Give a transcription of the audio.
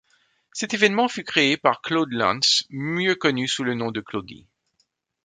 Cet événement fut créé par Claude Lentz, mieux connu sous le nom de Claudy.